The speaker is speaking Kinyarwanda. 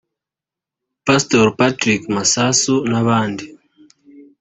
Pastor Patrick Masasu n'abandi